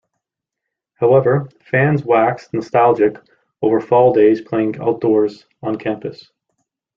However, fans waxed nostalgic over fall days playing outdoors on campus.